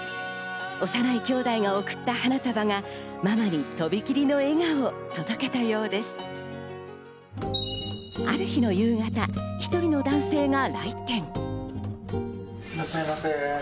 幼いきょうだいが贈った花束がママにとびきりの笑顔を届けたようある日の夕方、１人の男性が来店。